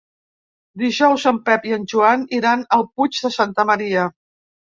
Dijous en Pep i en Joan iran al Puig de Santa Maria.